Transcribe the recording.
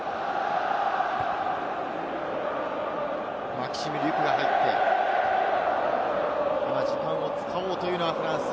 マキシム・リュキュが入って時間を使おうというのはフランス。